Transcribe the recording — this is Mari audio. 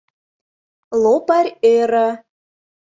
— Лопарь ӧрӧ.